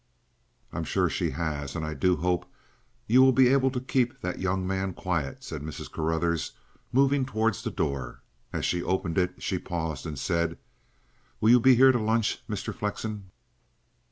"I'm sure she has; and I do hope you will be able to keep that young man quiet," said Mrs. Carruthers, moving towards the door. As she opened it, she paused and said: "Will you be here to lunch, Mr. Flexen?"